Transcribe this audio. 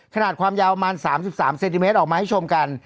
ขนาดความยาวประมาณ๓๓เซนติเมตรออกมาให้ชมกัน